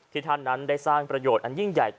ท่านนั้นได้สร้างประโยชน์อันยิ่งใหญ่